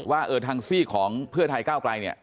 ว่าทางซีกของเพื่อไทยก้าวไกลเนี่ย